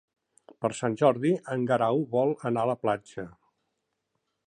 Per Sant Jordi en Guerau vol anar a la platja.